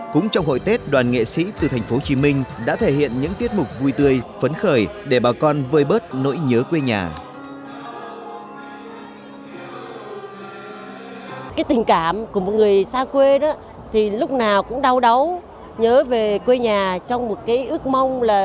cũng trong hội tết đoàn nghệ sĩ từ thành phố hồ chí minh đã thể hiện những tiết mục vui tươi phấn khởi để bà con vơi bớt nỗi nhớ quê nhà